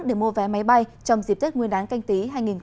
để mua vé máy bay trong dịp tết nguyên đán canh tí hai nghìn hai mươi